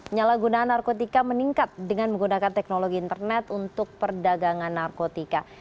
nyala gunaan narkotika meningkat dengan menggunakan teknologi internet untuk perdagangan narkotika